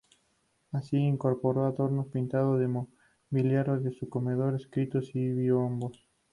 Así, incorporó adornos pintados al mobiliario de su comedor, escritorios y biombos.